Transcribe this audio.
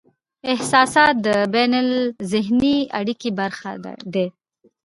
احساسات د بینالذهني اړیکې برخه دي.